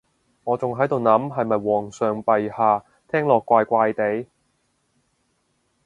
我仲喺度諗係咪皇上陛下，聽落怪怪哋